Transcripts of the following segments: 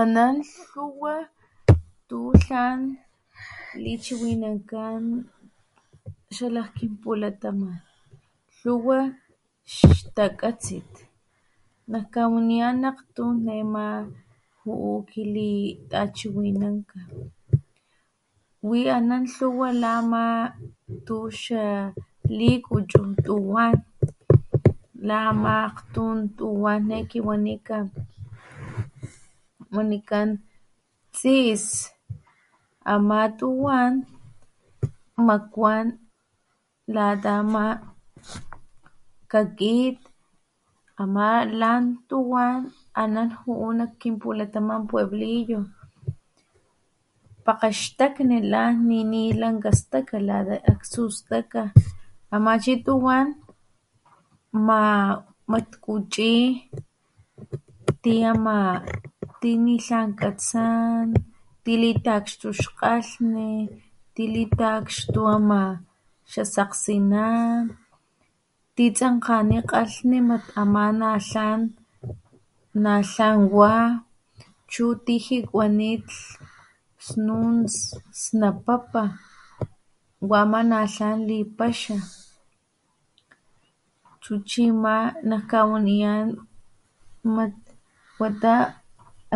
Anan lhuwa tu tlan anan lhuwa tu tlan lichiwinankan xalak kinpulataman lhuwa xtakatsin nakkawaniyan akgtun nema juu kilitachiwinanka wi anan lhuwa la ma tu xalikuchu tuwan la ama akgtun tuwan nekiwanika wanikan tsiis ama tuwan makuan lata ama kakit ana lan tuwan ana juu nak kinpukataman pueblillo pakgaxtakni lan ni lanka staka aktsu staka ama chi tuwan mat cu´chi ti ni tln katsan tilitakxtu xkgalhni tilitakxtu xasakgsina ti tsankgani kalhni ama natlan wa chu tijikuanit snun sanpapa wa ama natlan li paxa chu chi ama nak kawaniyan mat wata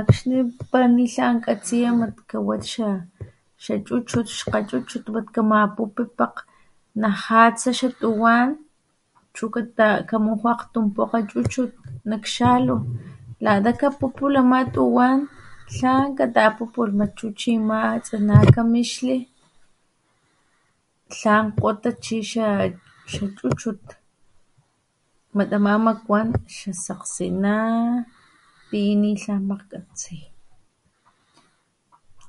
akxni para wix tlan makgkgatsiya kawat xachuchut mat kamapupi pakgnajatsa xatuwan chu kamuju akgtun pokge chuchut nak xalu lata kapupulh ama tuwan tlan kata pupulh chu chi ama tsina kamixli tlan chi kgota xakgachuchut mat ama makuan sasakgsina ti ni tlan makgkgatsi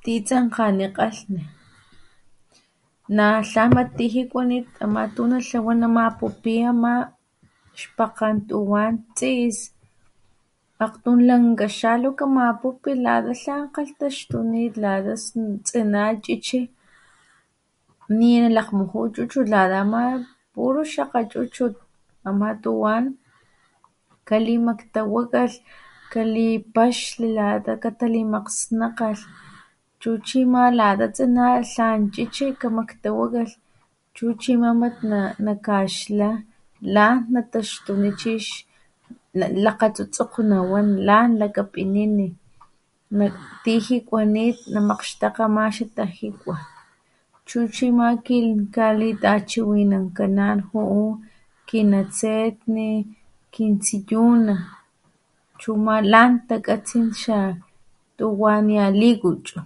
ti tsankgani kgalhni natlan mat tijikuanit ama tu natlawa namapupi ama xpakgen tuwan tsiis nak aktun lankga xalu kamapupilh lata tlan kgalhtaxtunit lata tsina chichi ninalahmuju chuchut lata ama puru kgachuchut ama tuwan kalimaktawakalh kalipaxli lata kalitamakgsnakalh chu chi ama lata tsina tlana chichi kamaktawakalh chu chi ama nakaxtla lan natxtuni lan lakgatsotsokgo nawan lakapinini mat tijikuanit namakgxtakga tajikua chu chi ama kilitachiwinankanan juu kinatsetne kintsiyuna chu ama lan takatsin xatuwanialikuchu